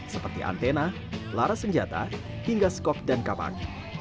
seperti antena laras senjata hingga skok dan kapak